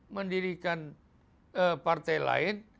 mendirikan partai lain